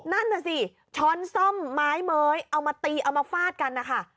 นั่นน่ะสิช้อนซ่อมไม้เม้ยเอามาตีเอามาฟาดกันนะคะ